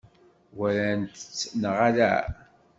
Walant-tt neɣ ala?